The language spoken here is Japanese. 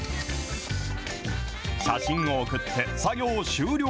写真を送って、作業終了。